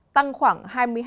tăng khoảng hai mươi hai tám